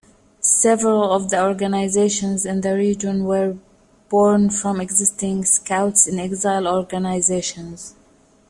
Several of the organizations in the Region were borne from existing Scouts-in-Exile organizations.